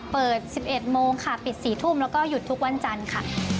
เปิด๑๑โมงค่ะปิด๔ทุ่มแล้วก็หยุดทุกวันจันทร์ค่ะ